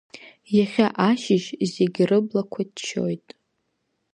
Иахьа ашьыжь зегь рыблақәа ччоит.